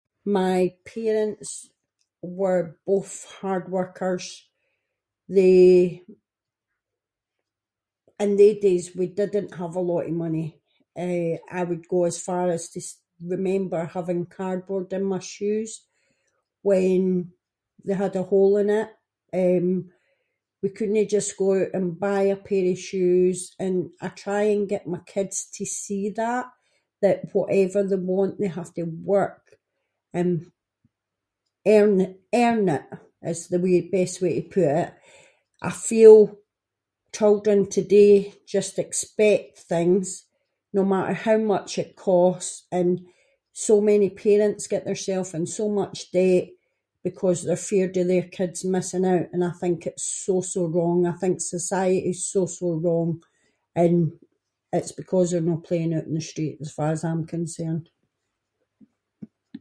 My parents were both hard workers they- in they days we didn’t have a lot of money, eh I would go as far as to s- remember having cardboard in my shoes when they had a hole in it, eh, we couldnae just go oot and buy a pair of shoes, and I try and get my kids to see that, that whatever they want they have to work and earn- earn it, is the way- the best way to put it. I feel children today just expect things, no matter how much it costs, and so many parents get theirself in so much debt because they’re feared of their kids missing out, and I think it’s so so wrong, I think society is so so wrong, and it’s because they’re no playing out in the street as far as I’m concerned.